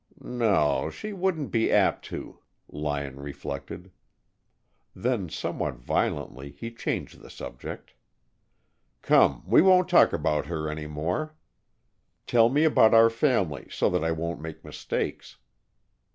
"No, she wouldn't be apt to," Lyon reflected. Then somewhat violently he changed the subject. "Come, we won't talk about her any more. Tell me about our family, so that I won't make mistakes."